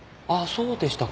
そうでしたか。